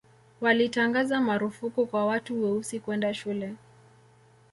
walitangaza marufuku kwa watu weusi kwenda shule